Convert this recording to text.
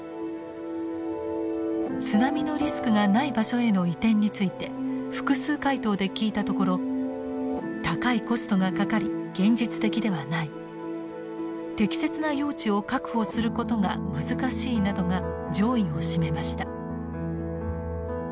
津波のリスクがない場所への移転について複数回答で聞いたところ「高いコストがかかり現実的ではない」「適切な用地を確保することが難しい」などが上位を占めました。